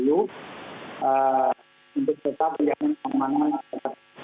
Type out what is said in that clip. yang berdasarkan pertunjukan kasusuk idu environmental agriculture project